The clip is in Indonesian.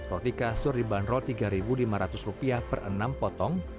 roti kasur dibanderol rp tiga lima ratus per enam potong